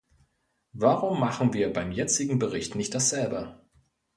Warum machen wir beim jetzigen Bericht nicht dasselbe?